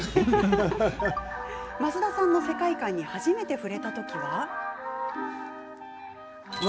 増田さんの世界観に初めて触れた時は。